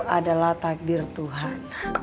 adalah takdir tuhan